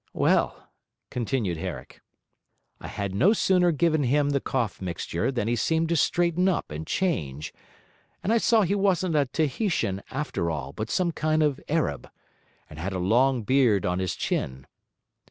'Well,' continued Herrick, 'I had no sooner given him the cough mixture than he seemed to straighten up and change, and I saw he wasn't a Tahitian after all, but some kind of Arab, and had a long beard on his chin.